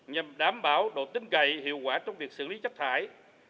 nhằm đảm bảo độ tính cậy hiệu quả trong việc xử lý chất thải